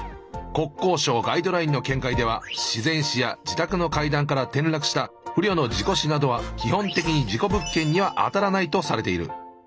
国交省ガイドラインの見解では自然死や自宅の階段から転落した不慮の事故死などは基本的に事故物件にはあたらないとされている。